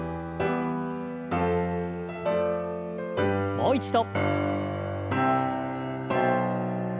もう一度。